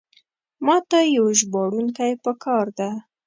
ماته یو ژباړونکی پکار ده.